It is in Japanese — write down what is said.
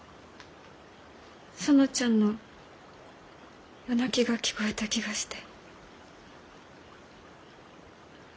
園ちゃんの夜泣きが聞こえた気がして。